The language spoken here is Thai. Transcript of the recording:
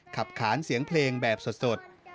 ขานเสียงเพลงแบบสด